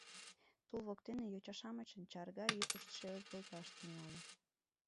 Тул воктен йоча-шамычын чарга йӱкышт шергылташ тӱҥале;